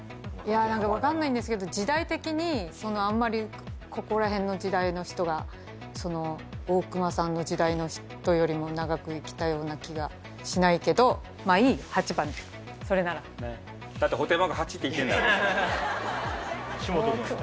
分かんないんですけど時代的にあんまりここら辺の時代の人がその大隈さんの時代の人よりも長く生きたような気がしないけどまあいい８番でそれなら保手濱が８って言ってるんだから岸本くんは？